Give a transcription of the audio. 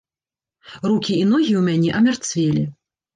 Рукі і ногі ў мяне амярцвелі.